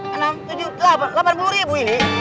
enam tujuh lapan lapan puluh ribu ini